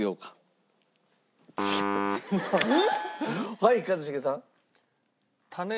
はい一茂さん。